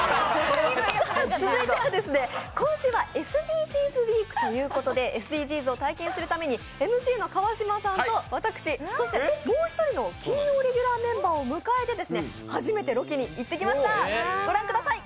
続いては、今週はＳＤＧｓウイークということでＳＤＧｓを体験するためにＭＣの川島さんと私、そしてもう１人の金曜レギュラーメンバーを迎えて初めてロケに行ってきました、御覧ください。